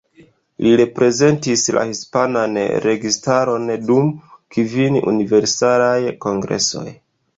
Li reprezentis la hispanan registaron dum kvin Universalaj Kongresoj.